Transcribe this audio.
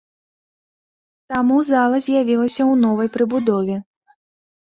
Таму зала з'явілася ў новай прыбудове.